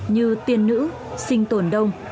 như tiên nữ sinh tồn đông